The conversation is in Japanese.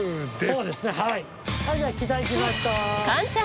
そうですねはい。